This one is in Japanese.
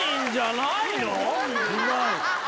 うまい！